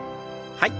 はい。